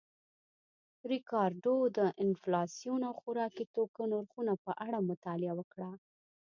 ریکارډو د انفلاسیون او خوراکي توکو نرخونو په اړه مطالعه وکړه